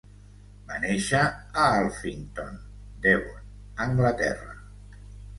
Va néixer a Alphington, Devon, Anglaterra.